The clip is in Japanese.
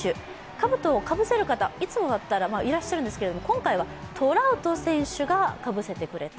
かぶとをかぶせる方、いつもだったらいらっしゃるんですけど、今回はトラウト選手がかぶせてくれた。